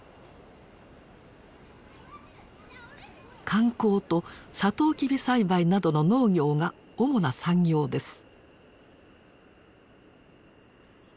観光とサトウキビ栽培などの農業が主な産業です。